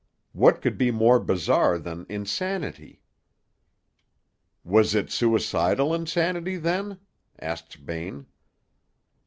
What could be more bizarre than insanity?" "Was it suicidal insanity, then?" asked Bain.